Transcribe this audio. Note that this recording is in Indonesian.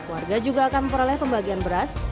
warga juga akan memperoleh pembagian beras